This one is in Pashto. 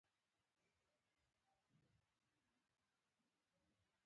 پاتې شوې ودانۍ او ډبرلیکونه معلومات په لاس راکوي.